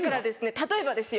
例えばですよ。